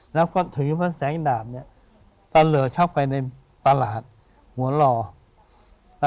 แล้วก็ถือพระแสงดาบเนี่ยกระเรือเข้าไปในตลาดหัวเรา